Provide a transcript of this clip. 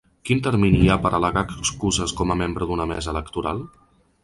Quin termini hi ha per al·legar excuses com a membre d’una mesa electoral?